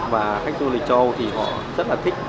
và khách du lịch châu thì họ rất là thích